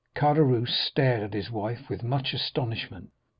"Caderousse stared at his wife with much astonishment.